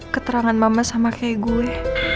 keterangan mama sama kayak gue